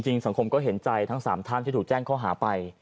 สังคมก็เห็นใจทั้ง๓ท่านที่ถูกแจ้งข้อหาไป